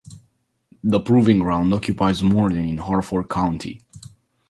The proving ground occupies more than in Harford County.